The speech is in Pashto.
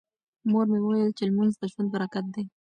مور مې وویل چې لمونځ د ژوند برکت دی.